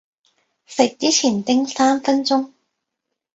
食之前叮三分鐘